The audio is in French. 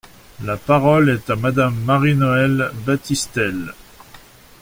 La parole est à Madame Marie-Noëlle Battistel.